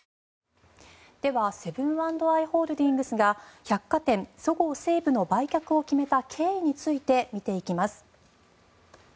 ではセブン＆アイ・ホールディングスが百貨店、そごう・西武の売却を決めた経緯についてみていきます。